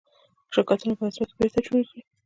شرکتونه باید ځمکه بیرته جوړه کړي.